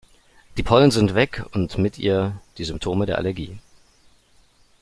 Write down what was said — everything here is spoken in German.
Die Pollen sind weg und mit ihr die Symptome der Allergie.